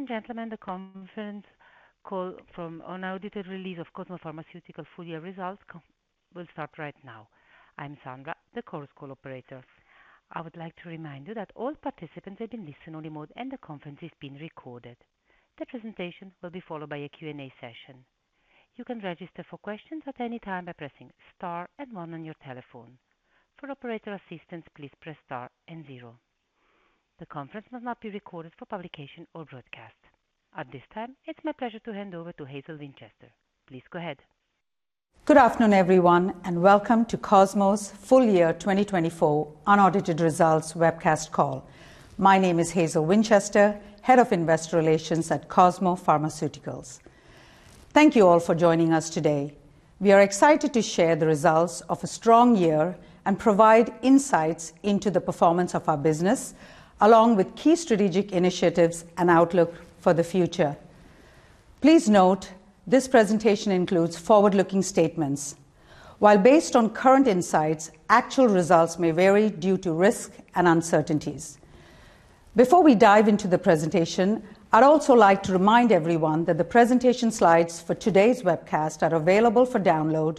Ladies and gentlemen, the conference call for unaudited release of Cosmo Pharmaceuticals full-year results will start right now. I'm Sandra, the call operator. I would like to remind you that all participants have been listened to on the mode, and the conference is being recorded. The presentation will be followed by a Q&A session. You can register for questions at any time by pressing star and one on your telephone. For operator assistance, please press star and zero. The conference will not be recorded for publication or broadcast. At this time, it's my pleasure to hand over to Hazel Winchester. Please go ahead. Good afternoon, everyone, and welcome to Cosmo's Full-Year 2024 Unaudited Results Webcast Call. My name is Hazel Winchester, Head of Investor Relations at Cosmo Pharmaceuticals. Thank you all for joining us today. We are excited to share the results of a strong year and provide insights into the performance of our business, along with key strategic initiatives and outlook for the future. Please note this presentation includes forward-looking statements. While based on current insights, actual results may vary due to risk and uncertainties. Before we dive into the presentation, I'd also like to remind everyone that the presentation slides for today's webcast are available for download,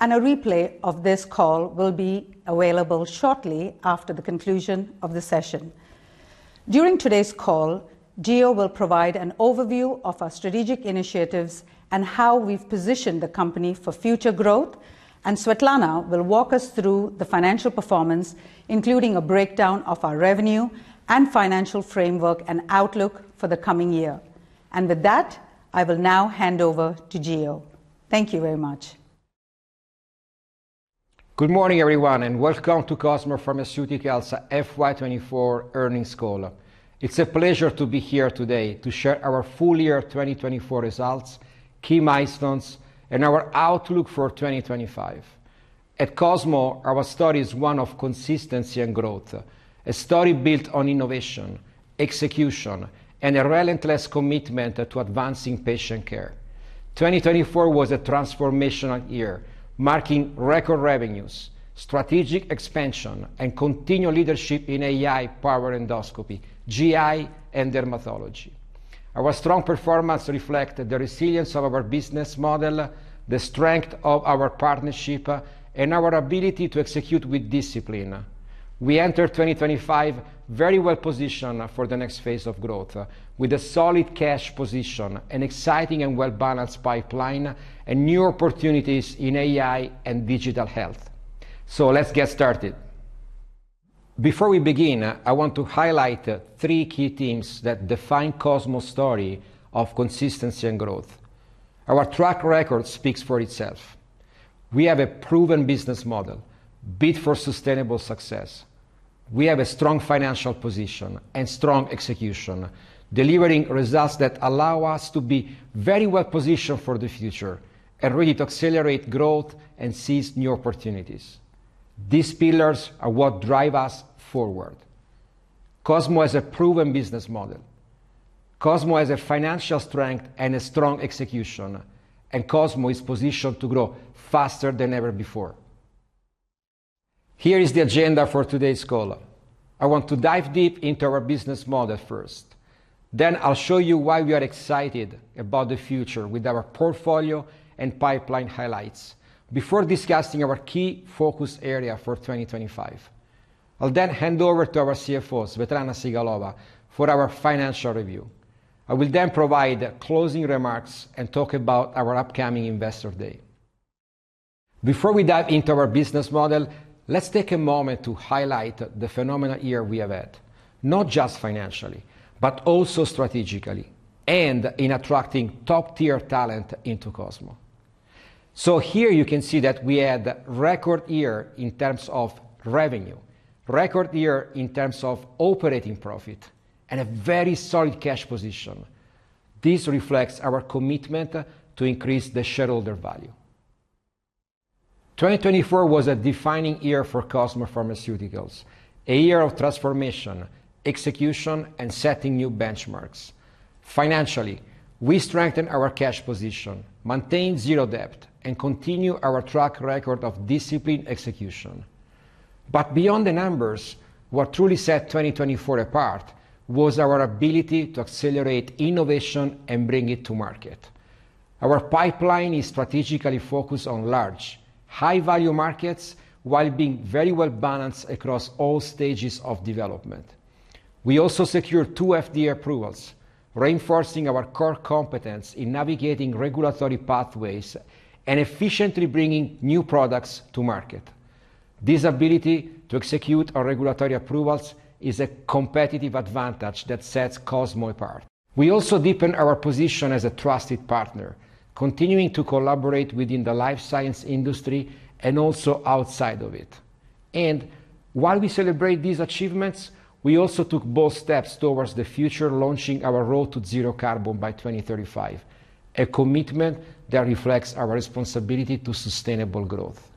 and a replay of this call will be available shortly after the conclusion of the session. During today's call, Gio will provide an overview of our strategic initiatives and how we've positioned the company for future growth, and Svetlana will walk us through the financial performance, including a breakdown of our revenue and financial framework and outlook for the coming year. With that, I will now hand over to Gio. Thank you very much. Good morning, everyone, and welcome to Cosmo Pharmaceuticals' FY24 Earnings Call. It's a pleasure to be here today to share our full-year 2024 results, key milestones, and our outlook for 2025. At Cosmo, our story is one of consistency and growth, a story built on innovation, execution, and a relentless commitment to advancing patient care. 2024 was a transformational year, marking record revenues, strategic expansion, and continued leadership in AI-powered endoscopy, GI, and dermatology. Our strong performance reflected the resilience of our business model, the strength of our partnership, and our ability to execute with discipline. We entered 2025 very well positioned for the next phase of growth, with a solid cash position, an exciting and well-balanced pipeline, and new opportunities in AI and digital health. Let's get started. Before we begin, I want to highlight three key themes that define Cosmo's story of consistency and growth. Our track record speaks for itself. We have a proven business model, built for sustainable success. We have a strong financial position and strong execution, delivering results that allow us to be very well positioned for the future and ready to accelerate growth and seize new opportunities. These pillars are what drive us forward. Cosmo has a proven business model. Cosmo has financial strength and strong execution, and Cosmo is positioned to grow faster than ever before. Here is the agenda for today's call. I want to dive deep into our business model first. Then I'll show you why we are excited about the future with our portfolio and pipeline highlights before discussing our key focus area for 2025. I'll then hand over to our CFO, Svetlana Sigalova, for our financial review. I will then provide closing remarks and talk about our upcoming Investor Day. Before we dive into our business model, let's take a moment to highlight the phenomenal year we have had, not just financially, but also strategically and in attracting top-tier talent into Cosmo. Here you can see that we had a record year in terms of revenue, a record year in terms of operating profit, and a very solid cash position. This reflects our commitment to increase the shareholder value. 2024 was a defining year for Cosmo Pharmaceuticals, a year of transformation, execution, and setting new benchmarks. Financially, we strengthened our cash position, maintained zero debt, and continued our track record of disciplined execution. Beyond the numbers, what truly set 2024 apart was our ability to accelerate innovation and bring it to market. Our pipeline is strategically focused on large, high-value markets while being very well balanced across all stages of development. We also secured two FDA approvals, reinforcing our core competence in navigating regulatory pathways and efficiently bringing new products to market. This ability to execute our regulatory approvals is a competitive advantage that sets Cosmo apart. We also deepened our position as a trusted partner, continuing to collaborate within the life science industry and also outside of it. While we celebrate these achievements, we also took bold steps towards the future, launching our road to zero carbon by 2035, a commitment that reflects our responsibility to sustainable growth.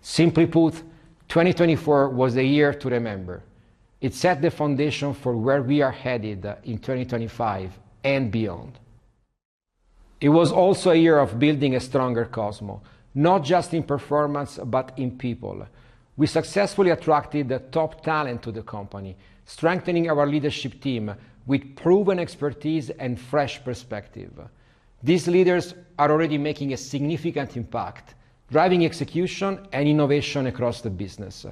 Simply put, 2024 was a year to remember. It set the foundation for where we are headed in 2025 and beyond. It was also a year of building a stronger Cosmo, not just in performance, but in people. We successfully attracted the top talent to the company, strengthening our leadership team with proven expertise and fresh perspective. These leaders are already making a significant impact, driving execution and innovation across the business.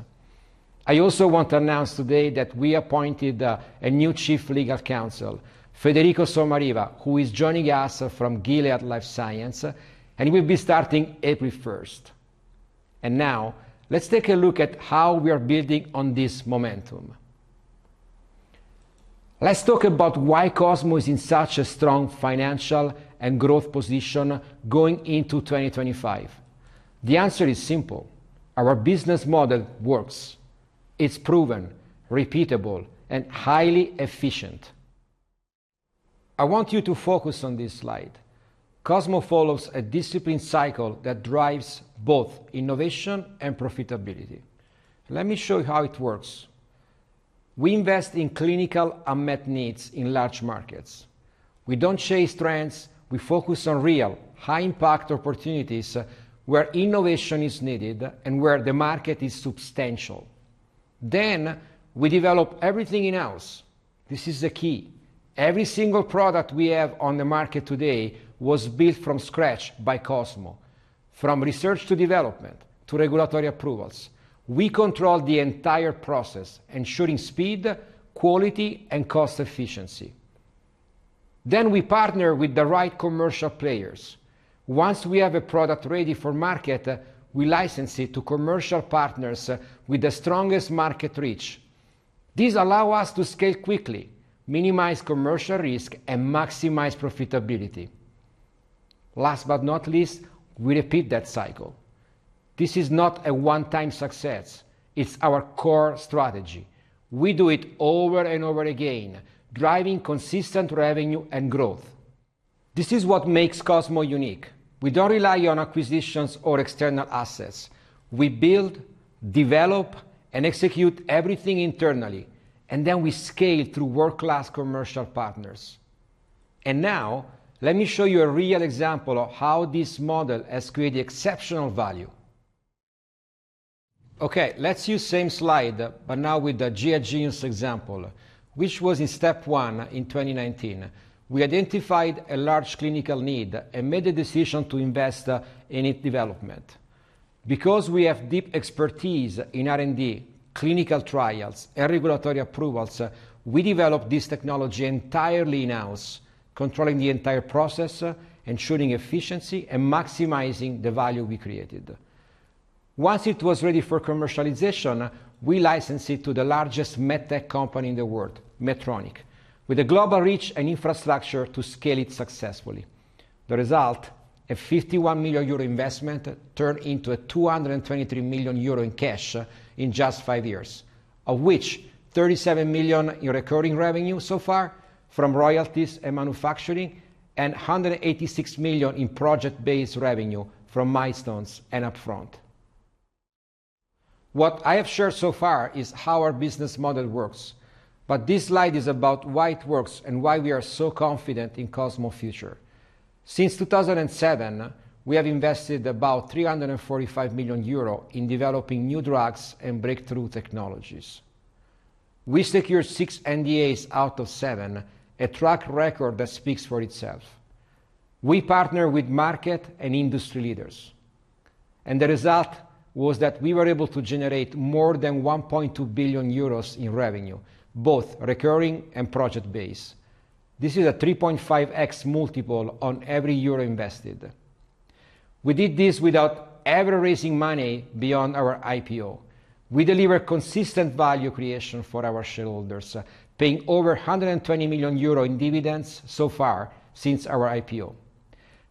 I also want to announce today that we appointed a new Chief Legal Counsel, Federico Somariva, who is joining us from Gilead Sciences, and will be starting April 1, 2025. Now, let's take a look at how we are building on this momentum. Let's talk about why Cosmo Pharmaceuticals is in such a strong financial and growth position going into 2025. The answer is simple. Our business model works. It's proven, repeatable, and highly efficient. I want you to focus on this slide. Cosmo Pharmaceuticals follows a disciplined cycle that drives both innovation and profitability. Let me show you how it works. We invest in clinical unmet needs in large markets. We don't chase trends. We focus on real, high-impact opportunities where innovation is needed and where the market is substantial. We develop everything in-house. This is the key. Every single product we have on the market today was built from scratch by Cosmo. From research to development to regulatory approvals, we control the entire process, ensuring speed, quality, and cost efficiency. Then we partner with the right commercial players. Once we have a product ready for market, we license it to commercial partners with the strongest market reach. These allow us to scale quickly, minimize commercial risk, and maximize profitability. Last but not least, we repeat that cycle. This is not a one-time success. It's our core strategy. We do it over and over again, driving consistent revenue and growth. This is what makes Cosmo unique. We don't rely on acquisitions or external assets. We build, develop, and execute everything internally, and then we scale through world-class commercial partners. Now, let me show you a real example of how this model has created exceptional value. Okay, let's use the same slide, but now with the GI Genius example, which was in step one in 2019. We identified a large clinical need and made a decision to invest in its development. Because we have deep expertise in R&D, clinical trials, and regulatory approvals, we developed this technology entirely in-house, controlling the entire process, ensuring efficiency, and maximizing the value we created. Once it was ready for commercialization, we licensed it to the largest medtech company in the world, Medtronic, with a global reach and infrastructure to scale it successfully. The result: a 51 million euro investment turned into 223 million euro in cash in just five years, of which 37 million in recurring revenue so far from royalties and manufacturing, and 186 million in project-based revenue from milestones and upfront. What I have shared so far is how our business model works, but this slide is about why it works and why we are so confident in Cosmo Pharmaceuticals' future. Since 2007, we have invested about 345 million euro in developing new drugs and breakthrough technologies. We secured six NDAs out of seven, a track record that speaks for itself. We partnered with market and industry leaders, and the result was that we were able to generate more than 1.2 billion euros in revenue, both recurring and project-based. This is a 3.5x multiple on every EURO invested. We did this without ever raising money beyond our IPO. We delivered consistent value creation for our shareholders, paying over 120 million euro in dividends so far since our IPO.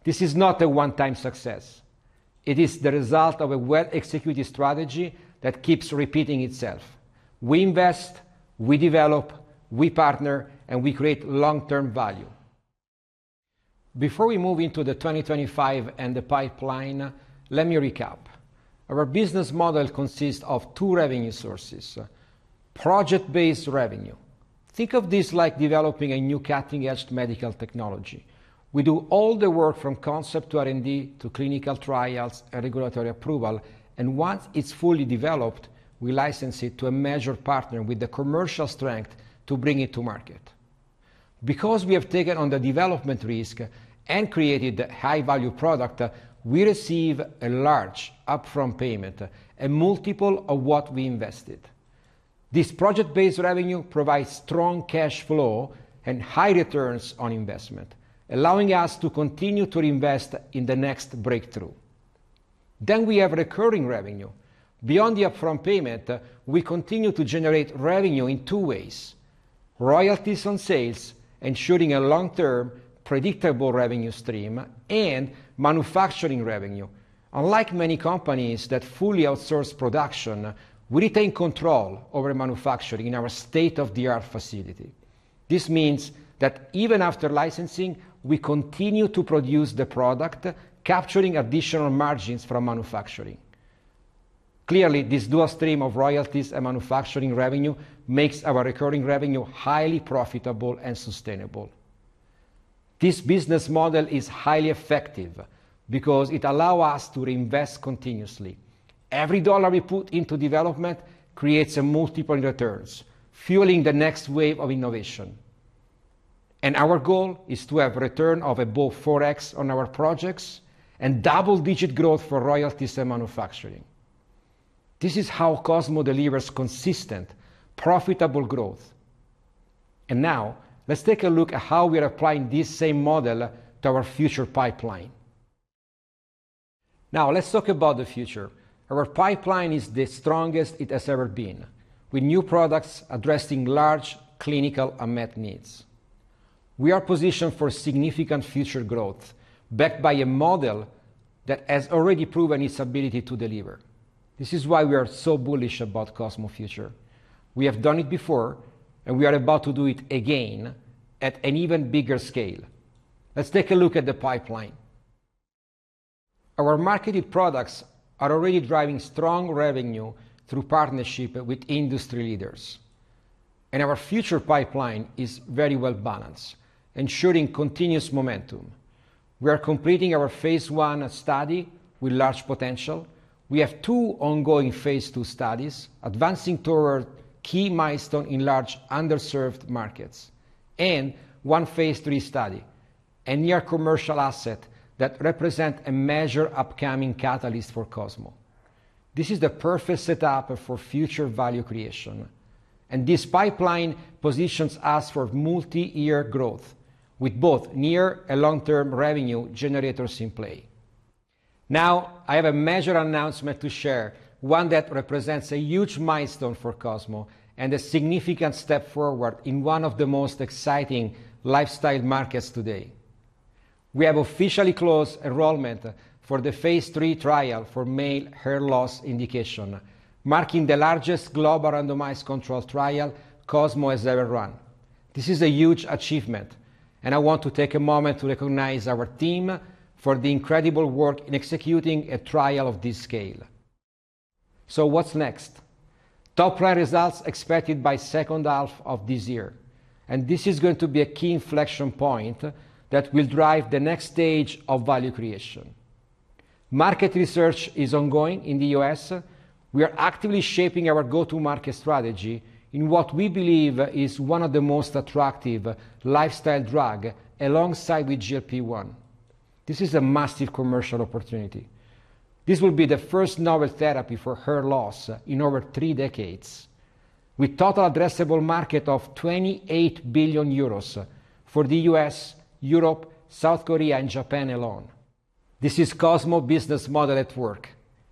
This is not a one-time success. It is the result of a well-executed strategy that keeps repeating itself. We invest, we develop, we partner, and we create long-term value. Before we move into the 2025 and the pipeline, let me recap. Our business model consists of two revenue sources: project-based revenue. Think of this like developing a new cutting-edge medical technology. We do all the work from concept to R&D to clinical trials and regulatory approval, and once it's fully developed, we license it to a major partner with the commercial strength to bring it to market. Because we have taken on the development risk and created a high-value product, we receive a large upfront payment, a multiple of what we invested. This project-based revenue provides strong cash flow and high returns on investment, allowing us to continue to reinvest in the next breakthrough. Then we have recurring revenue. Beyond the upfront payment, we continue to generate revenue in two ways: royalties on sales, ensuring a long-term predictable revenue stream, and manufacturing revenue. Unlike many companies that fully outsource production, we retain control over manufacturing in our state-of-the-art facility. This means that even after licensing, we continue to produce the product, capturing additional margins from manufacturing. Clearly, this dual stream of royalties and manufacturing revenue makes our recurring revenue highly profitable and sustainable. This business model is highly effective because it allows us to reinvest continuously. Every dollar we put into development creates a multiple in returns, fueling the next wave of innovation. Our goal is to have a return of above 4x on our projects and double-digit growth for royalties and manufacturing. This is how Cosmo Pharmaceuticals delivers consistent, profitable growth. Now, let's take a look at how we are applying this same model to our future pipeline. Now, let's talk about the future. Our pipeline is the strongest it has ever been, with new products addressing large clinical unmet needs. We are positioned for significant future growth, backed by a model that has already proven its ability to deliver. This is why we are so bullish about Cosmo's future. We have done it before, and we are about to do it again at an even bigger scale. Let's take a look at the pipeline. Our marketed products are already driving strong revenue through partnership with industry leaders. Our future pipeline is very well balanced, ensuring continuous momentum. We are completing our phase one study with large potential. We have two ongoing phase two studies, advancing toward key milestones in large underserved markets, and one phase three study, a near-commercial asset that represents a major upcoming catalyst for Cosmo. This is the perfect setup for future value creation. This pipeline positions us for multi-year growth, with both near and long-term revenue generators in play. Now, I have a major announcement to share, one that represents a huge milestone for Cosmo and a significant step forward in one of the most exciting lifestyle markets today. We have officially closed enrollment for the phase three trial for male hair loss indication, marking the largest global randomized control trial Cosmo has ever run. This is a huge achievement, and I want to take a moment to recognize our team for the incredible work in executing a trial of this scale. What's next? Top prior results expected by the second half of this year. This is going to be a key inflection point that will drive the next stage of value creation. Market research is ongoing in the US. We are actively shaping our go-to-market strategy in what we believe is one of the most attractive lifestyle drugs alongside GLP-1. This is a massive commercial opportunity. This will be the first novel therapy for hair loss in over three decades, with a total addressable market of 28 billion euros for the U.S., Europe, South Korea, and Japan alone. This is Cosmo Pharmaceuticals' business model at work,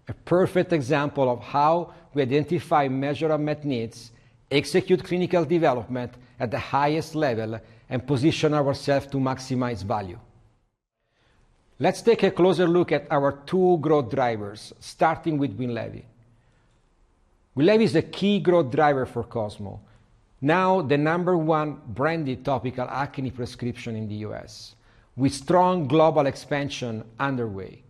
a perfect example of how we identify measured unmet needs, execute clinical development at the highest level, and position ourselves to maximize value. Let's take a closer look at our two growth drivers, starting with WINLEVI. WINLEVI is a key growth driver for Cosmo, now the number one branded topical acne prescription in the U.S., with strong global expansion underway.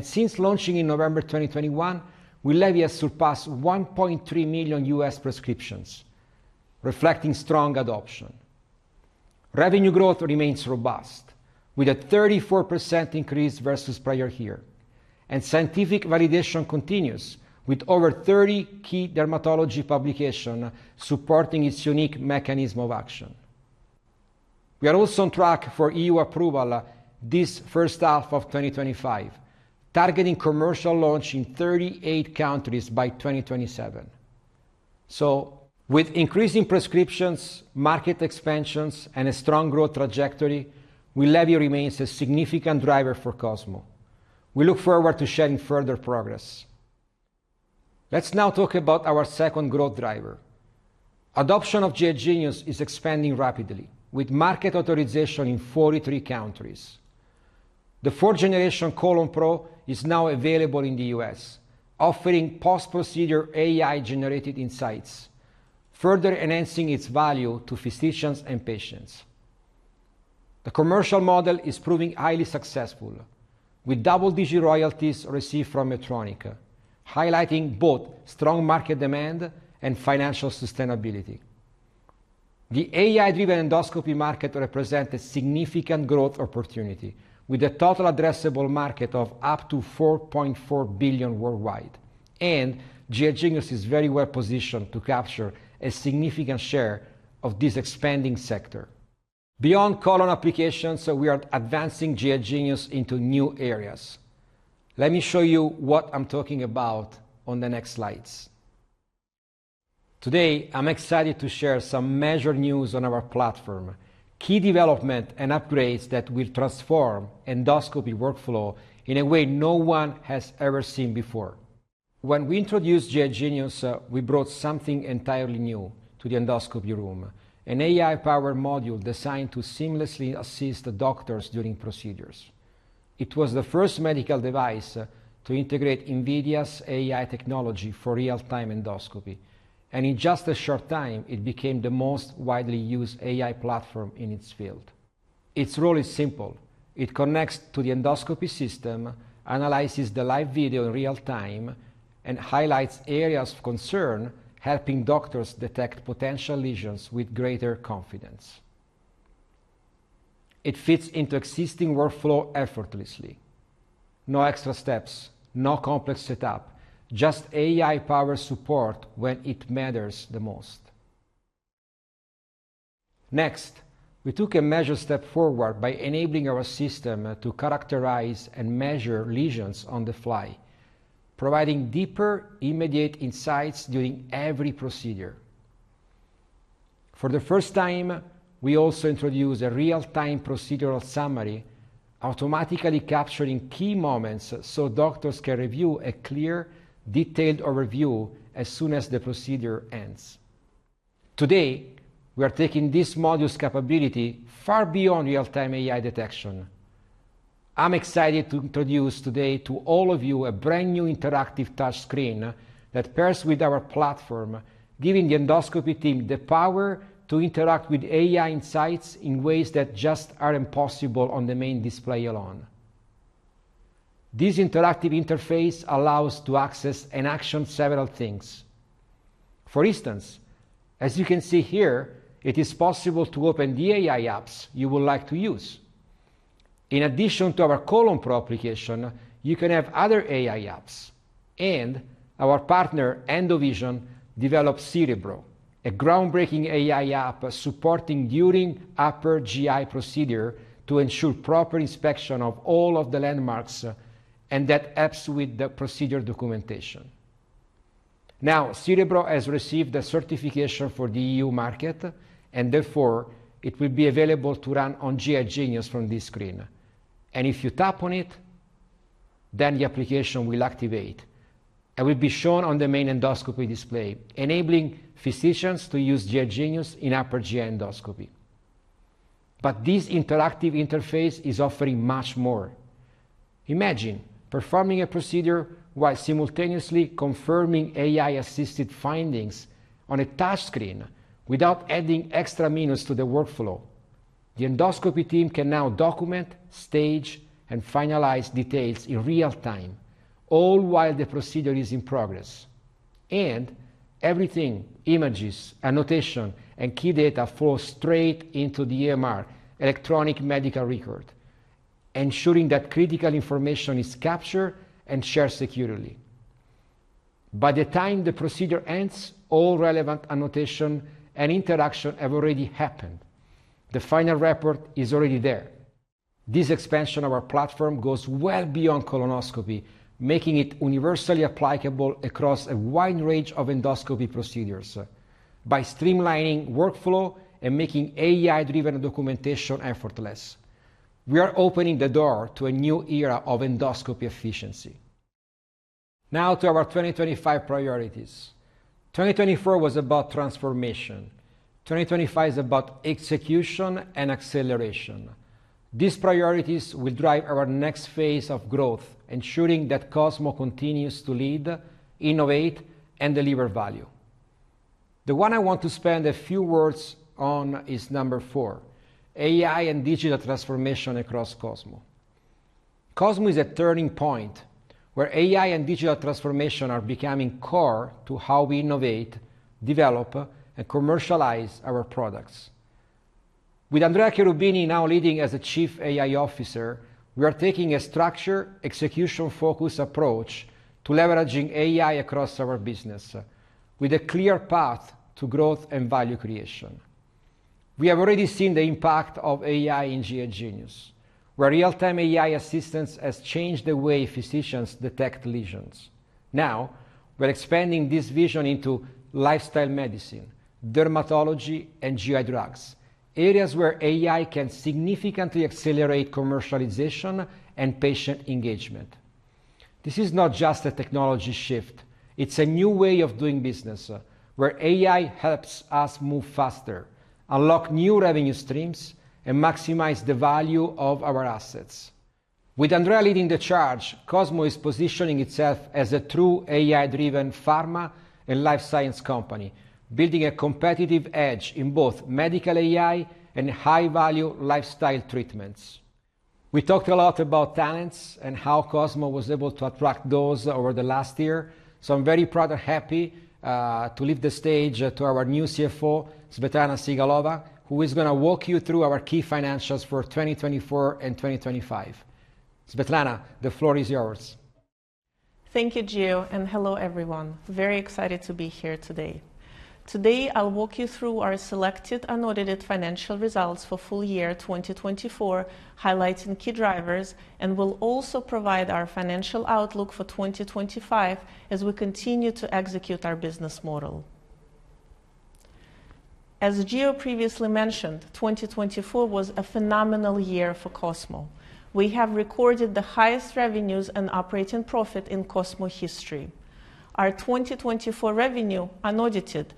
Since launching in November 2021, WINLEVI has surpassed 1.3 million U.S. prescriptions, reflecting strong adoption. Revenue growth remains robust, with a 34% increase versus prior year. Scientific validation continues, with over 30 key dermatology publications supporting its unique mechanism of action. We are also on track for EU approval this first half of 2025, targeting commercial launch in 38 countries by 2027. With increasing prescriptions, market expansions, and a strong growth trajectory, WINLEVI remains a significant driver for Cosmo. We look forward to sharing further progress. Let's now talk about our second growth driver. Adoption of GI Genius is expanding rapidly, with market authorization in 43 countries. The fourth-generation Cologne Pro is now available in the U.S., offering post-procedure AI-generated insights, further enhancing its value to physicians and patients. The commercial model is proving highly successful, with double-digit royalties received from Medtronic, highlighting both strong market demand and financial sustainability. The AI-driven endoscopy market represents a significant growth opportunity, with a total addressable market of up to $4.4 billion worldwide. GI Genius is very well positioned to capture a significant share of this expanding sector. Beyond Cologne applications, we are advancing GI Genius into new areas. Let me show you what I'm talking about on the next slides. Today, I'm excited to share some major news on our platform, key developments and upgrades that will transform endoscopy workflow in a way no one has ever seen before. When we introduced GI Genius, we brought something entirely new to the endoscopy room, an AI-powered module designed to seamlessly assist doctors during procedures. It was the first medical device to integrate NVIDIA's AI technology for real-time endoscopy. In just a short time, it became the most widely used AI platform in its field. Its role is simple. It connects to the endoscopy system, analyzes the live video in real time, and highlights areas of concern, helping doctors detect potential lesions with greater confidence. It fits into existing workflow effortlessly. No extra steps, no complex setup, just AI-powered support when it matters the most. Next, we took a major step forward by enabling our system to characterize and measure lesions on the fly, providing deeper, immediate insights during every procedure. For the first time, we also introduced a real-time procedural summary, automatically capturing key moments so doctors can review a clear, detailed overview as soon as the procedure ends. Today, we are taking this module's capability far beyond real-time AI detection. I'm excited to introduce today to all of you a brand new interactive touchscreen that pairs with our platform, giving the endoscopy team the power to interact with AI insights in ways that just are impossible on the main display alone. This interactive interface allows us to access and action several things. For instance, as you can see here, it is possible to open the AI apps you would like to use. In addition to our Cologne Pro application, you can have other AI apps. Our partner, Endovision, developed Cerebro, a groundbreaking AI app supporting during upper GI procedure to ensure proper inspection of all of the landmarks and that helps with the procedure documentation. Now, Cerebro has received a certification for the EU market, and therefore, it will be available to run on GI Genius from this screen. If you tap on it, then the application will activate and will be shown on the main endoscopy display, enabling physicians to use GI Genius in upper GI endoscopy. This interactive interface is offering much more. Imagine performing a procedure while simultaneously confirming AI-assisted findings on a touchscreen without adding extra minutes to the workflow. The endoscopy team can now document, stage, and finalize details in real time, all while the procedure is in progress. Everything, images, annotations, and key data flow straight into the EMR, electronic medical record, ensuring that critical information is captured and shared securely. By the time the procedure ends, all relevant annotations and interactions have already happened. The final report is already there. This expansion of our platform goes well beyond colonoscopy, making it universally applicable across a wide range of endoscopy procedures by streamlining workflow and making AI-driven documentation effortless. We are opening the door to a new era of endoscopy efficiency. Now to our 2025 priorities. 2024 was about transformation. 2025 is about execution and acceleration. These priorities will drive our next phase of growth, ensuring that Cosmo continues to lead, innovate, and deliver value. The one I want to spend a few words on is number four, AI and digital transformation across Cosmo. Cosmo is at a turning point where AI and digital transformation are becoming core to how we innovate, develop, and commercialize our products. With Andrea Cherubini now leading as the Chief AI Officer, we are taking a structured, execution-focused approach to leveraging AI across our business, with a clear path to growth and value creation. We have already seen the impact of AI in GI Genius, where real-time AI assistance has changed the way physicians detect lesions. Now, we're expanding this vision into lifestyle medicine, dermatology, and GI drugs, areas where AI can significantly accelerate commercialization and patient engagement. This is not just a technology shift. It's a new way of doing business where AI helps us move faster, unlock new revenue streams, and maximize the value of our assets. With Andrea leading the charge, Cosmo is positioning itself as a true AI-driven pharma and life science company, building a competitive edge in both medical AI and high-value lifestyle treatments. We talked a lot about talents and how Cosmo was able to attract those over the last year. I am very proud and happy to leave the stage to our new CFO, Svetlana Sigalova, who is going to walk you through our key financials for 2024 and 2025. Svetlana, the floor is yours. Thank you, Gio, and hello, everyone. Very excited to be here today. Today, I'll walk you through our selected and audited financial results for full year 2024, highlighting key drivers, and will also provide our financial outlook for 2025 as we continue to execute our business model. As Gio previously mentioned, 2024 was a phenomenal year for Cosmo. We have recorded the highest revenues and operating profit in Cosmo history. Our 2024 revenue, un-audited,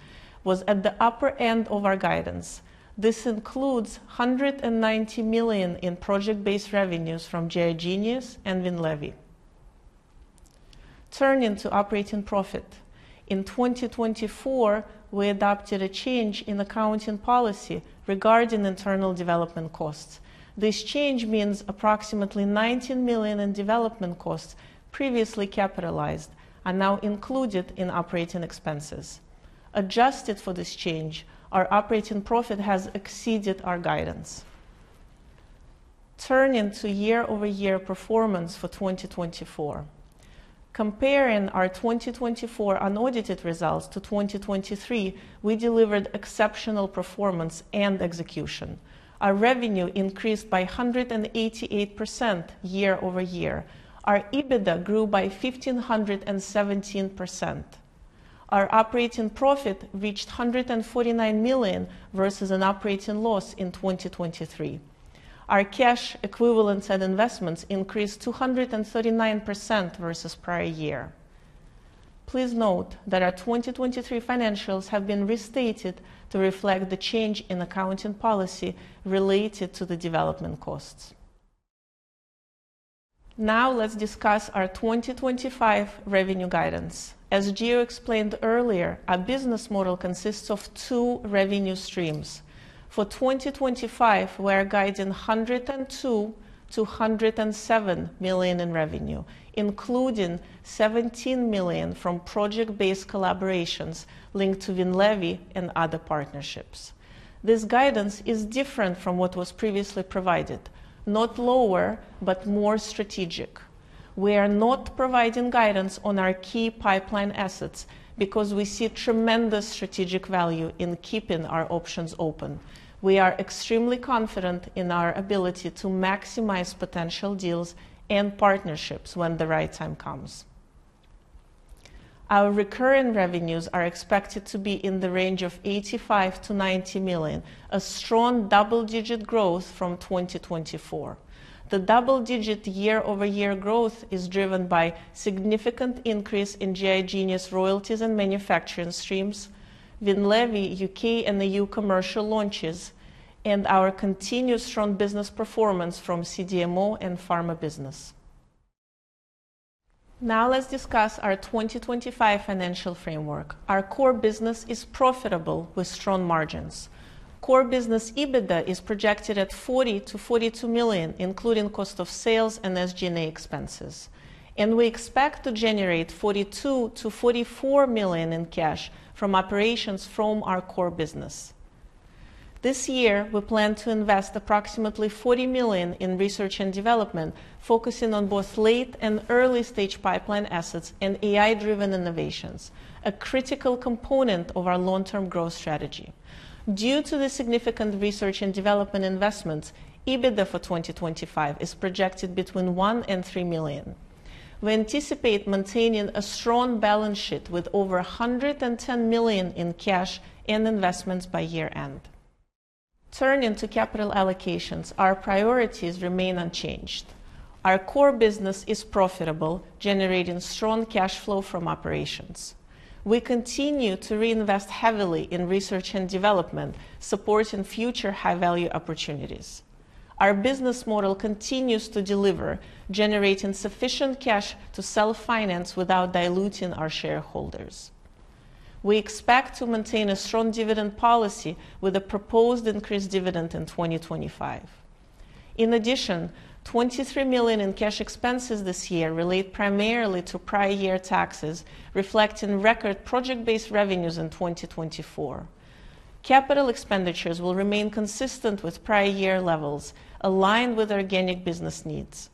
was at the upper end of our guidance. This includes $190 million in project-based revenues from GI Genius and WINLEVI. Turning to operating profit, in 2024, we adopted a change in accounting policy regarding internal development costs. This change means approximately $19 million in development costs previously capitalized are now included in operating expenses. Adjusted for this change, our operating profit has exceeded our guidance. Turning to year-over-year performance for 2024, comparing our 2024 un-audited results to 2023, we delivered exceptional performance and execution. Our revenue increased by 188% year-over-year. Our EBITDA grew by 1,517%. Our operating profit reached $149 million versus an operating loss in 2023. Our cash equivalents and investments increased 239% versus prior year. Please note that our 2023 financials have been restated to reflect the change in accounting policy related to the development costs. Now, let's discuss our 2025 revenue guidance. As Gio explained earlier, our business model consists of two revenue streams. For 2025, we are guiding $102 million-$107 million in revenue, including $17 million from project-based collaborations linked to Winlevi and other partnerships. This guidance is different from what was previously provided, not lower, but more strategic. We are not providing guidance on our key pipeline assets because we see tremendous strategic value in keeping our options open. We are extremely confident in our ability to maximize potential deals and partnerships when the right time comes. Our recurring revenues are expected to be in the range of $85-$90 million, a strong double-digit growth from 2024. The double-digit year-over-year growth is driven by significant increase in GI Genius royalties and manufacturing streams, WINLEVI U.K. and EU commercial launches, and our continued strong business performance from CDMO and pharma business. Now, let's discuss our 2025 financial framework. Our core business is profitable with strong margins. Core business EBITDA is projected at $40 million-$42 million, including cost of sales and SG&A expenses. We expect to generate $42 million-$44 million in cash from operations from our core business. This year, we plan to invest approximately $40 million in research and development, focusing on both late and early-stage pipeline assets and AI-driven innovations, a critical component of our long-term growth strategy. Due to the significant research and development investments, EBITDA for 2025 is projected between $1 million and $3 million. We anticipate maintaining a strong balance sheet with over $110 million in cash and investments by year-end. Turning to capital allocations, our priorities remain unchanged. Our core business is profitable, generating strong cash flow from operations. We continue to reinvest heavily in research and development, supporting future high-value opportunities. Our business model continues to deliver, generating sufficient cash to self-finance without diluting our shareholders. We expect to maintain a strong dividend policy with a proposed increased dividend in 2025. In addition, $23 million in cash expenses this year relate primarily to prior year taxes, reflecting record project-based revenues in 2024. Capital expenditures will remain consistent with prior year levels, aligned with organic business needs.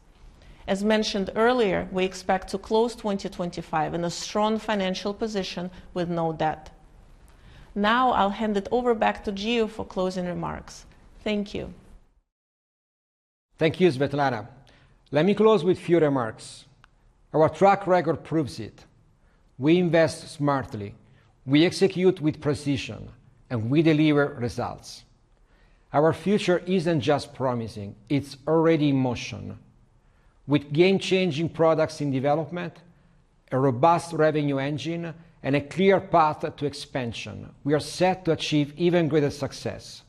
As mentioned earlier, we expect to close 2025 in a strong financial position with no debt. Now, I'll hand it over back to Gio for closing remarks. Thank you. Thank you, Svetlana. Let me close with a few remarks. Our track record proves it. We invest smartly, we execute with precision, and we deliver results. Our future is not just promising; it is already in motion. With game-changing products in development, a robust revenue engine, and a clear path to expansion, we are set to achieve even greater success.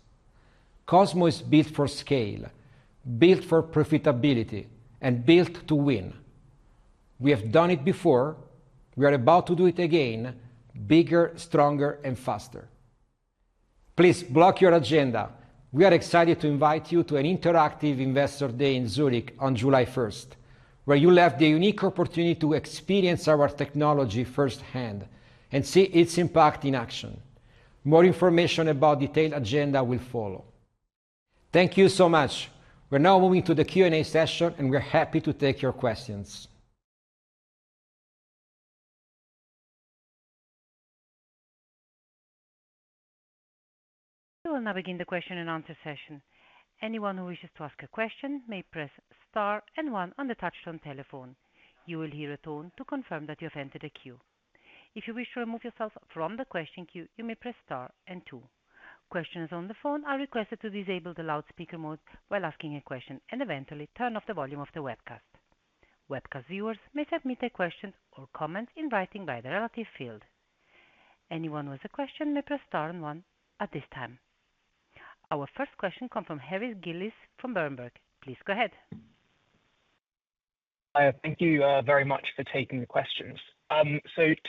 Cosmo is built for scale, built for profitability, and built to win. We have done it before. We are about to do it again, bigger, stronger, and faster. Please block your agenda. We are excited to invite you to an interactive investor day in Zurich on July 1, where you will have the unique opportunity to experience our technology firsthand and see its impact in action. More information about the detailed agenda will follow. Thank you so much. We are now moving to the Q&A session, and we are happy to take your questions. We will now begin the question and answer session. Anyone who wishes to ask a question may press star and one on the touchstone telephone. You will hear a tone to confirm that you have entered a queue. If you wish to remove yourself from the question queue, you may press star and two. Questioners on the phone are requested to disable the loudspeaker mode while asking a question and eventually turn off the volume of the webcast. Webcast viewers may submit a question or comment in writing by the relative field. Anyone with a question may press star and one at this time. Our first question comes from Harris Gillis from Bernburg. Please go ahead. Hi, thank you very much for taking the questions.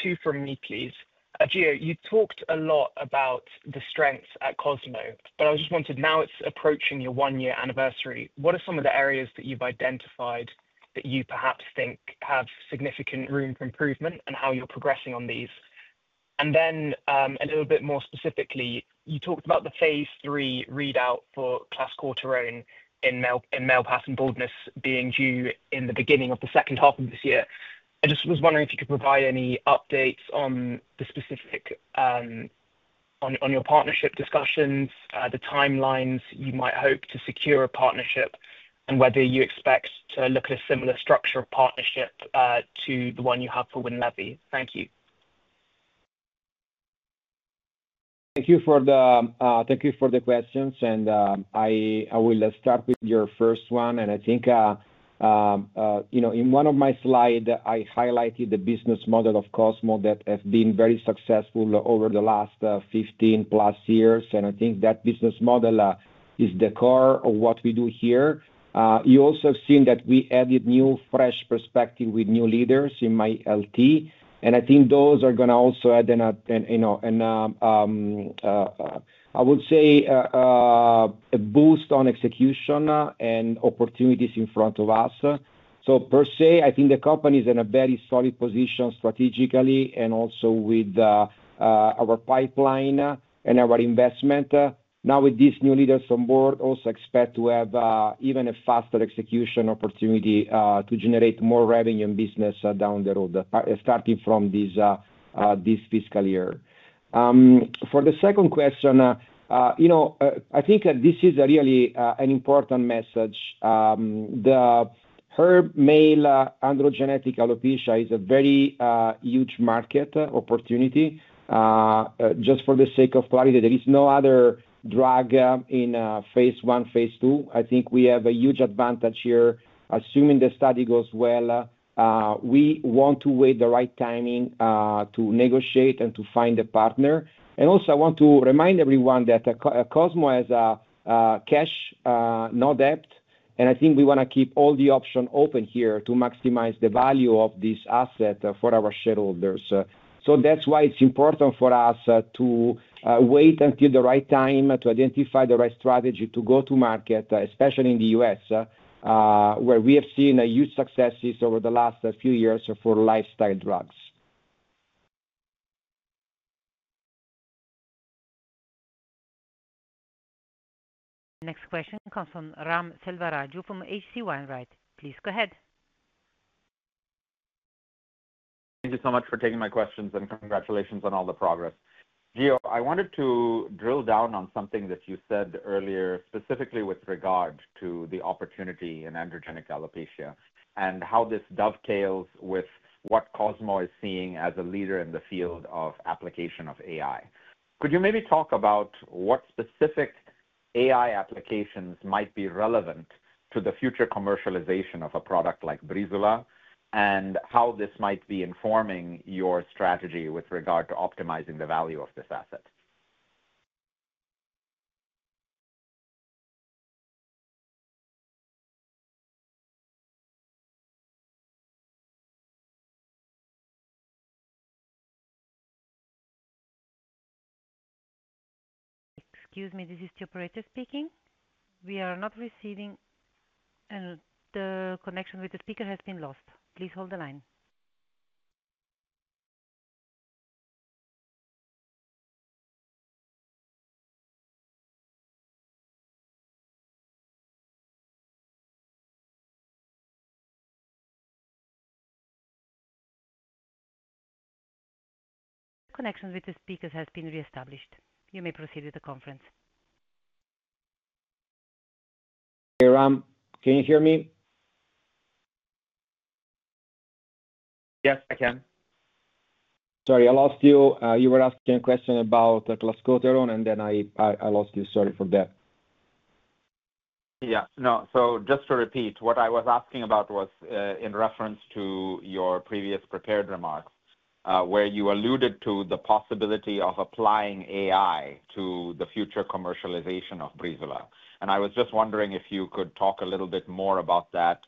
Two from me, please. Gio, you talked a lot about the strengths at Cosmo, but I just wanted to know now it's approaching your one-year anniversary. What are some of the areas that you've identified that you perhaps think have significant room for improvement and how you're progressing on these? A little bit more specifically, you talked about the phase three readout for Clascoterone in male pattern baldness being due in the beginning of the second half of this year. I just was wondering if you could provide any updates on the specifics on your partnership discussions, the timelines you might hope to secure a partnership, and whether you expect to look at a similar structure of partnership to the one you have for WINLEVI. Thank you. Thank you for the questions, and I will start with your first one. I think, you know, in one of my slides, I highlighted the business model of Cosmo that has been very successful over the last 15-plus years. I think that business model is the core of what we do here. You also have seen that we added new fresh perspectives with new leaders in my LT. I think those are going to also add, I would say, a boost on execution and opportunities in front of us. Per se, I think the company is in a very solid position strategically and also with our pipeline and our investment. Now, with these new leaders on board, I also expect to have even a faster execution opportunity to generate more revenue and business down the road, starting from this fiscal year. For the second question, you know, I think this is really an important message. The male androgenetic alopecia is a very huge market opportunity. Just for the sake of clarity, there is no other drug in phase one, phase two. I think we have a huge advantage here. Assuming the study goes well, we want to wait the right timing to negotiate and to find a partner. I want to remind everyone that Cosmo Pharmaceuticals has cash, not debt. I think we want to keep all the options open here to maximize the value of this asset for our shareholders. That is why it is important for us to wait until the right time to identify the right strategy to go to market, especially in the U.S., where we have seen huge successes over the last few years for lifestyle drugs. Next question comes from Ram Selvaraju from H.C. Wainwright. Please go ahead. Thank you so much for taking my questions and congratulations on all the progress. Gio, I wanted to drill down on something that you said earlier, specifically with regard to the opportunity in androgenetic alopecia and how this dovetails with what Cosmo is seeing as a leader in the field of application of AI. Could you maybe talk about what specific AI applications might be relevant to the future commercialization of a product like Breezula and how this might be informing your strategy with regard to optimizing the value of this asset? Excuse me, this is the operator speaking. We are not receiving, and the connection with the speaker has been lost. Please hold the line. The connection with the speakers has been reestablished. You may proceed with the conference. Hey, Ram, can you hear me? Yes, I can. Sorry, I lost you. You were asking a question about Clascoterone, and then I lost you. Sorry for that. Yeah, no, so just to repeat, what I was asking about was in reference to your previous prepared remarks, where you alluded to the possibility of applying AI to the future commercialization of Breezula. And I was just wondering if you could talk a little bit more about that,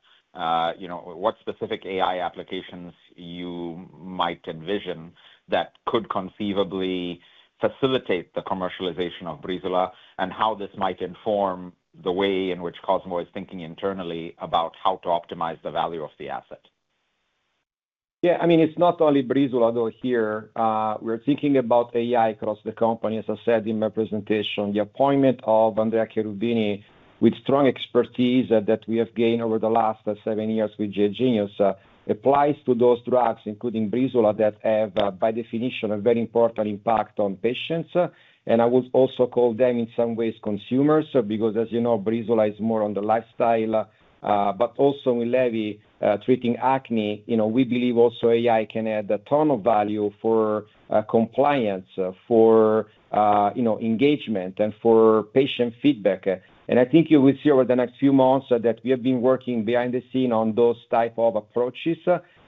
you know, what specific AI applications you might envision that could conceivably facilitate the commercialization of Breezula and how this might inform the way in which Cosmo is thinking internally about how to optimize the value of the asset. Yeah, I mean, it's not only Breezula, though, here. We're thinking about AI across the company, as I said in my presentation. The appointment of Andrea Cherubini, with strong expertise that we have gained over the last seven years with GI Genius, applies to those drugs, including Breezula, that have, by definition, a very important impact on patients. I would also call them, in some ways, consumers, because, as you know, Breezula is more on the lifestyle, but also WINLEVI treating acne. You know, we believe also AI can add a ton of value for compliance, for engagement, and for patient feedback. I think you will see over the next few months that we have been working behind the scenes on those types of approaches.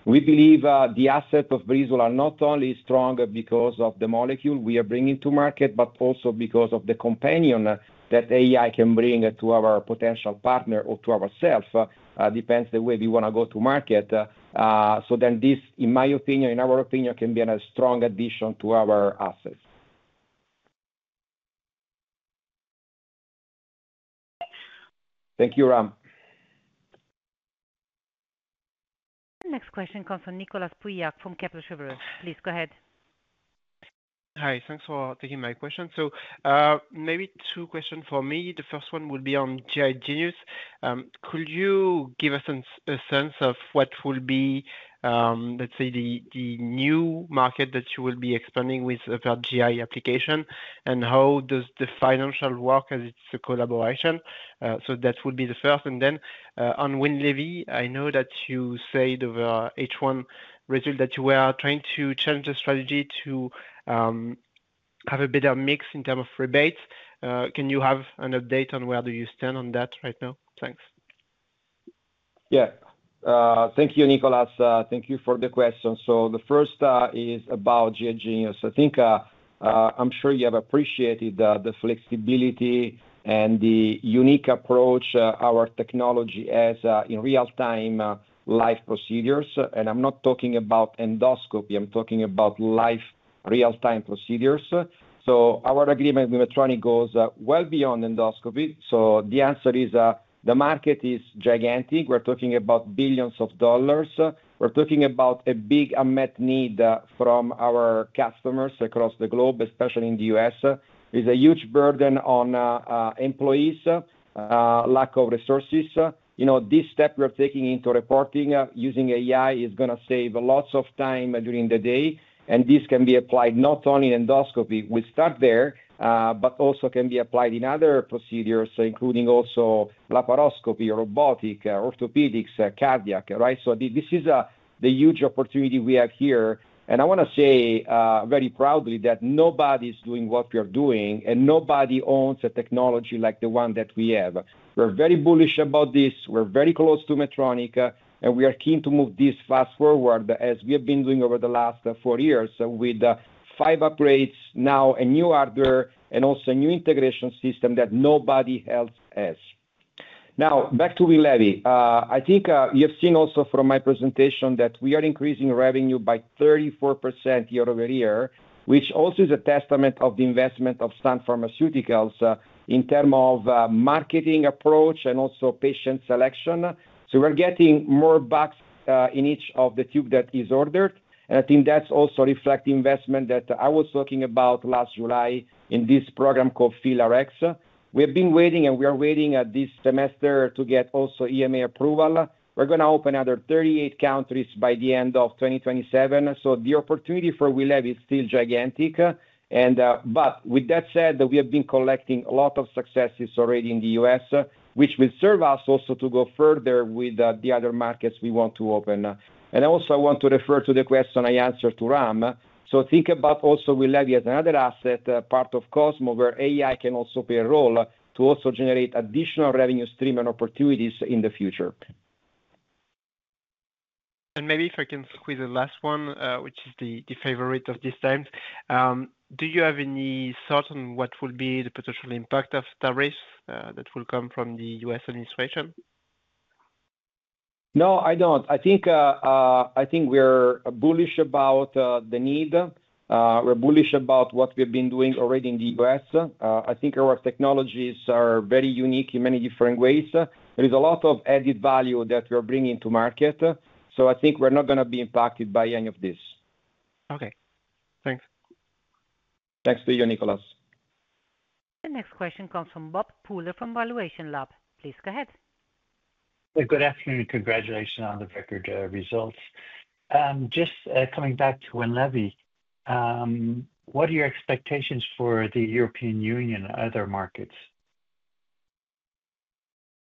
We believe the asset of Breezula not only is strong because of the molecule we are bringing to market, but also because of the companion that AI can bring to our potential partner or to ourselves. It depends the way we want to go to market. In my opinion, in our opinion, this can be a strong addition to our assets. Thank you, Ram. Next question comes from Nicolas Pauillac from Kepler Cheuvreux. Please go ahead. Hi, thanks for taking my question. Maybe two questions for me. The first one will be on GI Genius. Could you give us a sense of what will be, let's say, the new market that you will be expanding with GI application, and how does the financial work as it's a collaboration? That would be the first. On WINLEVI, I know that you said over H1 result that you were trying to change the strategy to have a better mix in terms of rebates. Can you have an update on where do you stand on that right now? Thanks. Yeah, thank you, Nicolas. Thank you for the question. The first is about GI Genius. I think I'm sure you have appreciated the flexibility and the unique approach our technology has in real-time life procedures. I'm not talking about endoscopy. I'm talking about live real-time procedures. Our agreement with Medtronic goes well beyond endoscopy. The answer is the market is gigantic. We're talking about billions of dollars. We're talking about a big unmet need from our customers across the globe, especially in the U.S.. There's a huge burden on employees, lack of resources. You know, this step we're taking into reporting using AI is going to save lots of time during the day. This can be applied not only in endoscopy. We'll start there, but also can be applied in other procedures, including also laparoscopy, robotic, orthopedics, cardiac, right? This is the huge opportunity we have here. I want to say very proudly that nobody's doing what we are doing, and nobody owns a technology like the one that we have. We're very bullish about this. We're very close to Medtronic, and we are keen to move this fast forward, as we have been doing over the last four years with five upgrades, now a new hardware, and also a new integration system that nobody else has. Now, back to WINLEVI. I think you have seen also from my presentation that we are increasing revenue by 34% year-over-year, which also is a testament of the investment of Sun Pharmaceuticals in terms of marketing approach and also patient selection. We're getting more bucks in each of the tubes that are ordered. I think that's also reflecting investment that I was talking about last July in this program called Fill Rx. We have been waiting, and we are waiting this semester to get also EMA approval. We're going to open other 38 countries by the end of 2027. The opportunity for WINLEVI is still gigantic. With that said, we have been collecting a lot of successes already in the US, which will serve us also to go further with the other markets we want to open. I also want to refer to the question I answered to Ram. Think about also WINLEVI as another asset part of Cosmo where AI can also play a role to also generate additional revenue stream and opportunities in the future. Maybe if I can squeeze the last one, which is the favorite of this time, do you have any thoughts on what will be the potential impact of tariffs that will come from the U.S. administration? No, I do not. I think we are bullish about the need. We are bullish about what we have been doing already in the US. I think our technologies are very unique in many different ways. There is a lot of added value that we are bringing to market. I think we're not going to be impacted by any of this. Okay, thanks. Thanks to you, Nicolas. The next question comes from Bob Pooler from Valuation Lab. Please go ahead. Good afternoon and congratulations on the record results. Just coming back to WINLEVI, what are your expectations for the European Union and other markets?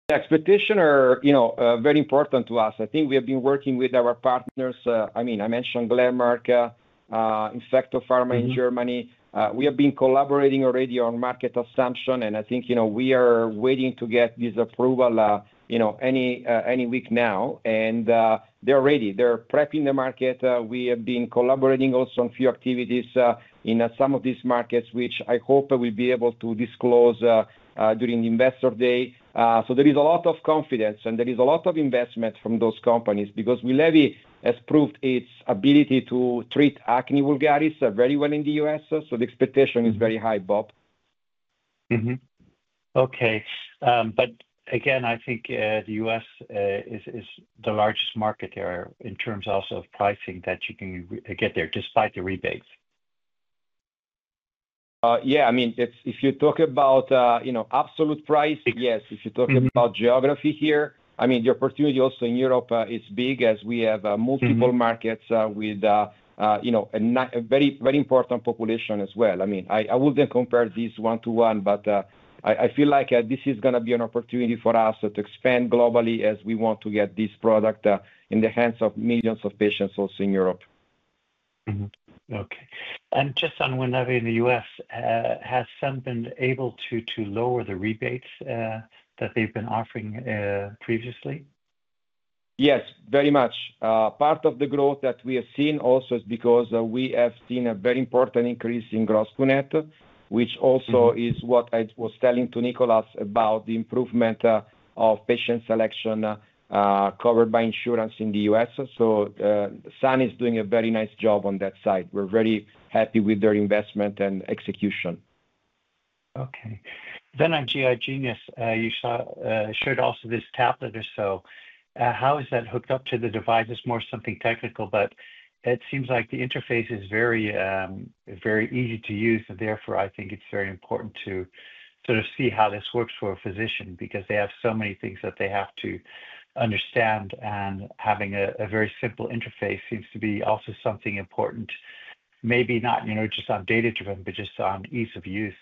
The expectations are very important to us. I think we have been working with our partners. I mean, I mentioned Glenmark, Inspecto Pharma in Germany. We have been collaborating already on market assumption, and I think we are waiting to get this approval any week now. They are ready. They are prepping the market. We have been collaborating also on a few activities in some of these markets, which I hope we'll be able to disclose during the Investor Day. There is a lot of confidence, and there is a lot of investment from those companies because WINLEVI has proved its ability to treat acne vulgaris very well in the U.S.. The expectation is very high, Bob. Okay, again, I think the U.S. is the largest market here in terms also of pricing that you can get there despite the rebates. Yeah, I mean, if you talk about absolute price, yes. If you talk about geography here, I mean, the opportunity also in Europe is big as we have multiple markets with a very important population as well. I mean, I wouldn't compare this one to one, but I feel like this is going to be an opportunity for us to expand globally as we want to get this product in the hands of millions of patients also in Europe. Okay, and just on WINLEVI in the U.S., has Sun been able to lower the rebates that they've been offering previously? Yes, very much. Part of the growth that we have seen also is because we have seen a very important increase in gross unit, which also is what I was telling to Nicolas about the improvement of patient selection covered by insurance in the U.S.. Sun is doing a very nice job on that side. We're very happy with their investment and execution. Okay, on GI Genius, you showed also this tablet or so. How is that hooked up to the device? It's more something technical, but it seems like the interface is very easy to use. Therefore, I think it's very important to sort of see how this works for a physician because they have so many things that they have to understand. Having a very simple interface seems to be also something important, maybe not just on data driven, but just on ease of use.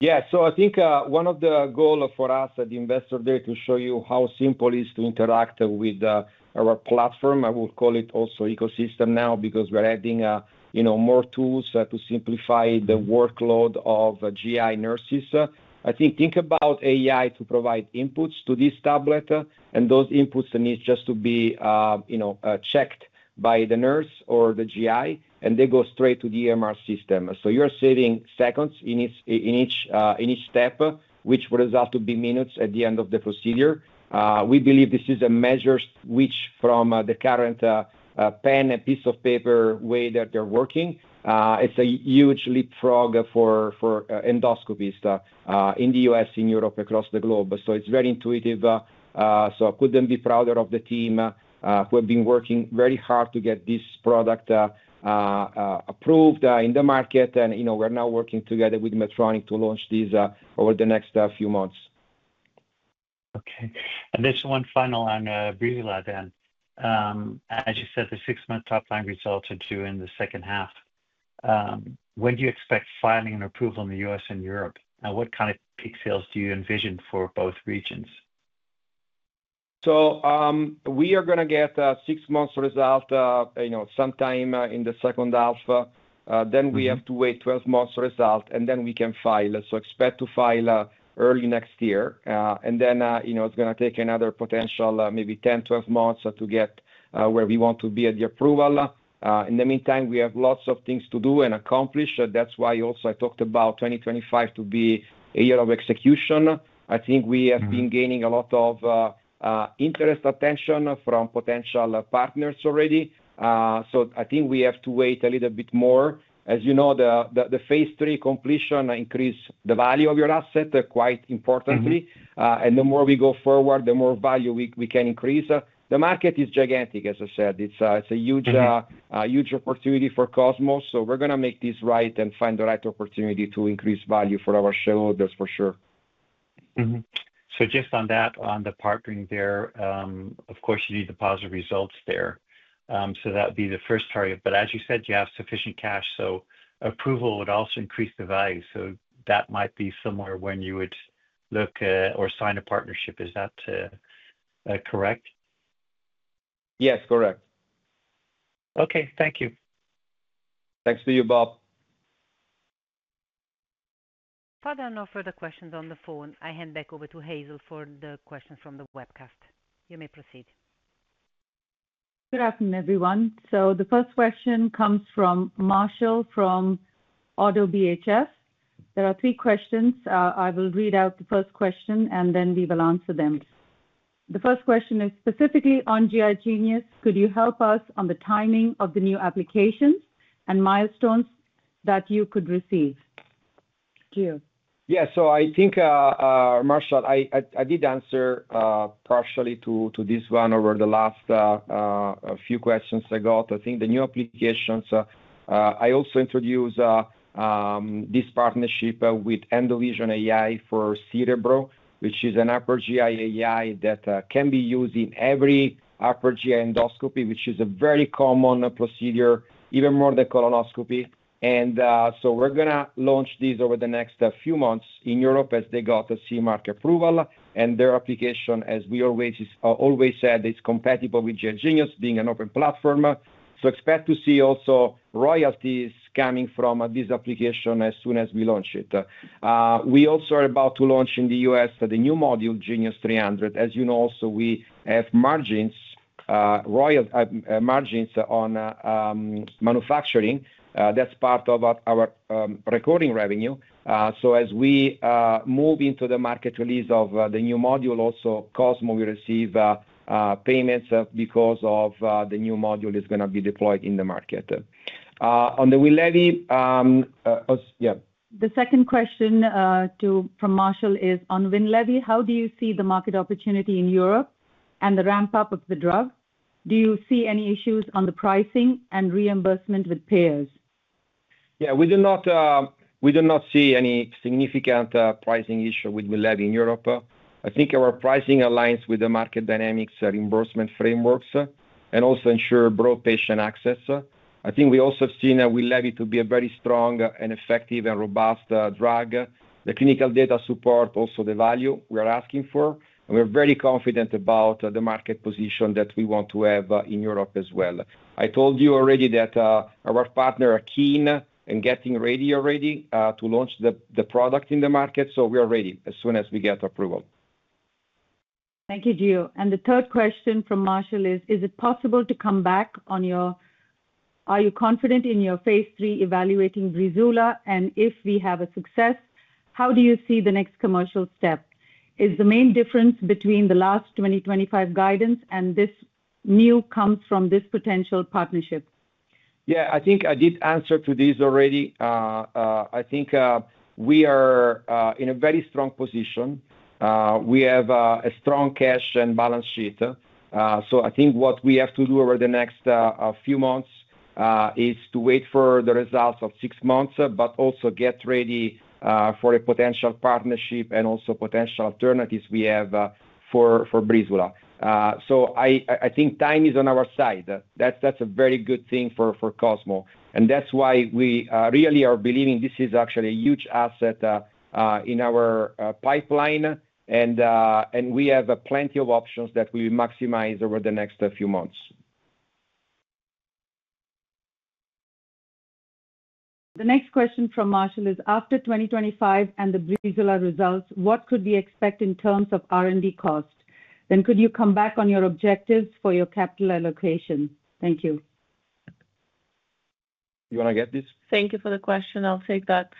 Yeah, I think one of the goals for us at the investor there is to show you how simple it is to interact with our platform. I will call it also ecosystem now because we're adding more tools to simplify the workload of GI nurses. I think about AI to provide inputs to this tablet, and those inputs need just to be checked by the nurse or the GI, and they go straight to the EMR system. You're saving seconds in each step, which will result in minutes at the end of the procedure. We believe this is a major switch from the current pen and piece of paper way that they're working. It's a huge leapfrog for endoscopies in the U.S., in Europe, across the globe. It's very intuitive. I couldn't be prouder of the team who have been working very hard to get this product approved in the market. We're now working together with Medtronic to launch these over the next few months. Okay, and this one final on Breezula then. As you said, the six-month top-line results are due in the second half. When do you expect filing and approval in the U.S. and Europe? What kind of peak sales do you envision for both regions? We are going to get six months result sometime in the second half. Then we have to wait 12 months result, and then we can file. Expect to file early next year. It is going to take another potential maybe 10-12 months to get where we want to be at the approval. In the meantime, we have lots of things to do and accomplish. That is why also I talked about 2025 to be a year of execution. I think we have been gaining a lot of interest, attention from potential partners already. I think we have to wait a little bit more. As you know, the phase three completion increased the value of your asset quite importantly. The more we go forward, the more value we can increase. The market is gigantic, as I said. It is a huge opportunity for Cosmo. We're going to make this right and find the right opportunity to increase value for our shareholders for sure. Just on that, on the partnering there, of course, you need the positive results there. That would be the first target. As you said, you have sufficient cash. Approval would also increase the value. That might be somewhere when you would look or sign a partnership. Is that correct? Yes, correct. Okay, thank you. Thanks to you, Bob. No further questions on the phone, I hand back over to Hazel for the questions from the webcast. You may proceed. Good afternoon, everyone. The first question comes from Marshall from Auto BHS. There are three questions. I will read out the first question, and then we will answer them. The first question is specifically on GI Genius. Could you help us on the timing of the new applications and milestones that you could receive? Yeah, I think, Marshall, I did answer partially to this one over the last few questions I got. I think the new applications, I also introduced this partnership with Endovision AI for Cerebro, which is an upper GI AI that can be used in every upper GI endoscopy, which is a very common procedure, even more than colonoscopy. We are going to launch this over the next few months in Europe as they got the CE mark approval. Their application, as we always said, is compatible with GI Genius being an open platform. Expect to see also royalties coming from this application as soon as we launch it. We also are about to launch in the U.S. the new module, Genius 300. As you know, also we have margins on manufacturing. That's part of our recording revenue. As we move into the market release of the new module, also Cosmo, we receive payments because the new module is going to be deployed in the market. On the WINLEVI, yeah. The second question from Marshall is on WINLEVI. How do you see the market opportunity in Europe and the ramp-up of the drug? Do you see any issues on the pricing and reimbursement with payers? Yeah, we do not see any significant pricing issue with WINLEVI in Europe. I think our pricing aligns with the market dynamics reimbursement frameworks and also ensure broad patient access. I think we also have seen WINLEVI to be a very strong and effective and robust drug. The clinical data support also the value we are asking for. We're very confident about the market position that we want to have in Europe as well. I told you already that our partner is keen and getting ready already to launch the product in the market. We are ready as soon as we get approval. Thank you, Gio. The third question from Marshall is, is it possible to come back on your, are you confident in your phase III evaluating Breezula? If we have a success, how do you see the next commercial step? Is the main difference between the last 2025 guidance and this new comes from this potential partnership? I think I did answer to this already. I think we are in a very strong position. We have a strong cash and balance sheet. I think what we have to do over the next few months is to wait for the results of six months, but also get ready for a potential partnership and also potential alternatives we have for Breezula. I think time is on our side. That is a very good thing for Cosmo. That is why we really are believing this is actually a huge asset in our pipeline. We have plenty of options that we will maximize over the next few months. The next question from Marshall is, after 2025 and the Breezula results, what could we expect in terms of R&D cost? Then could you come back on your objectives for your capital allocation? Thank you. You want to get this? Thank you for the question. I'll take that.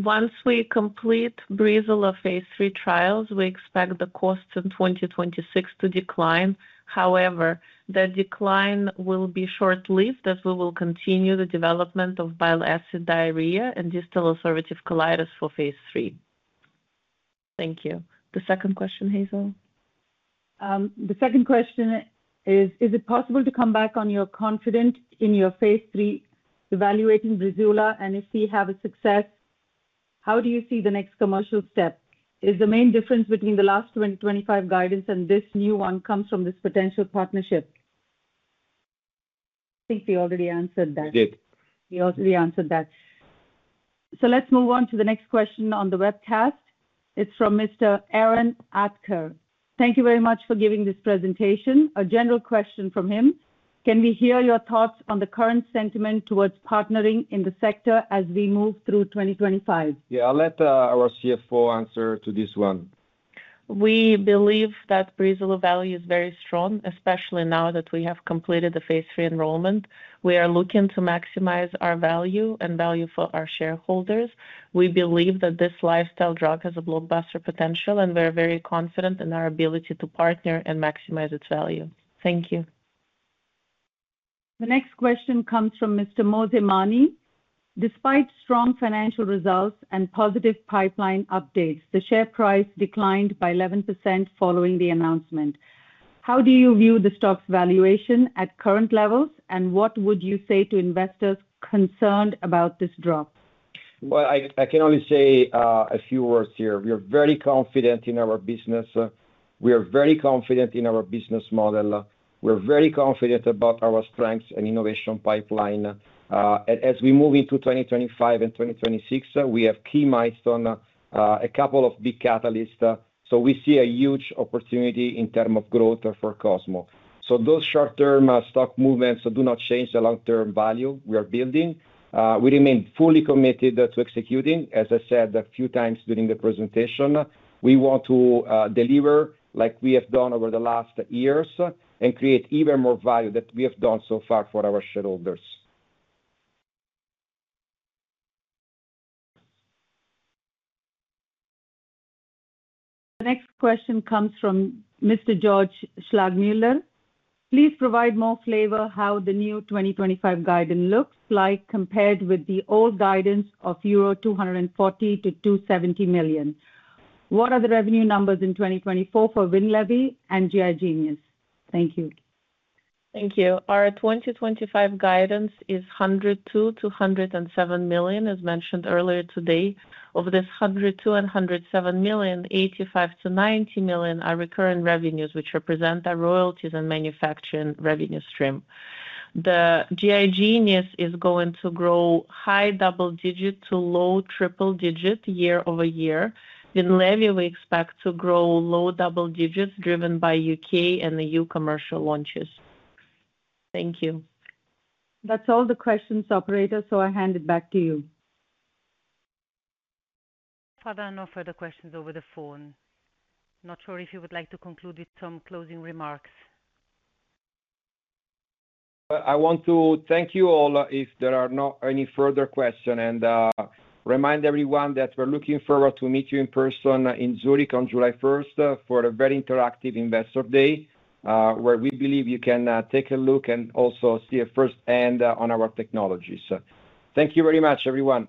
Once we complete Breezula phase III trials, we expect the costs in 2026 to decline. However, that decline will be short-lived as we will continue the development of bile acid diarrhea and distal ulcerative colitis for phase III. Thank you. The second question, Hazel. The second question is, is it possible to come back on your confidence in your phase III evaluating Breezula? And if we have a success, how do you see the next commercial step? Is the main difference between the last 2025 guidance and this new one comes from this potential partnership? I think we already answered that. We did. We already answered that. Let's move on to the next question on the webcast. It's from Mr. Aaron Acker. Thank you very much for giving this presentation. A general question from him. Can we hear your thoughts on the current sentiment towards partnering in the sector as we move through 2025? Yeah, I'll let our CFO answer to this one. We believe that Breezula value is very strong, especially now that we have completed the phase three enrollment. We are looking to maximize our value and value for our shareholders. We believe that this lifestyle drug has a blockbuster potential, and we're very confident in our ability to partner and maximize its value. Thank you. The next question comes from Mr. Moseimani. Despite strong financial results and positive pipeline updates, the share price declined by 11% following the announcement. How do you view the stock's valuation at current levels? What would you say to investors concerned about this drop? I can only say a few words here. We are very confident in our business. We are very confident in our business model. We're very confident about our strengths and innovation pipeline. As we move into 2025 and 2026, we have key milestones, a couple of big catalysts. We see a huge opportunity in terms of growth for Cosmo Pharmaceuticals. Those short-term stock movements do not change the long-term value we are building. We remain fully committed to executing. As I said a few times during the presentation, we want to deliver like we have done over the last years and create even more value than we have done so far for our shareholders. The next question comes from Mr. George Schlagmuller. Please provide more flavor on how the new 2025 guidance looks like compared with the old guidance of 240 million-270 million euro. What are the revenue numbers in 2024 for WINLEVI and GI Genius? Thank you. Thank you. Our 2025 guidance is 102 million-107 million, as mentioned earlier today. Of this 102 million-107 million, 85 million-90 million are recurring revenues, which represent our royalties and manufacturing revenue stream. The GI Genius is going to grow high double digit to low triple digit year-over-year. WINLEVI, we expect to grow low double digits driven by U.K. and EU commercial launches. Thank you. That's all the questions, operator. I hand it back to you. Further and no further questions over the phone. Not sure if you would like to conclude with some closing remarks. I want to thank you all if there are no any further questions. I remind everyone that we're looking forward to meet you in person in Zurich on July 1, 2025 for a very interactive investor day where we believe you can take a look and also see firsthand on our technologies. Thank you very much, everyone.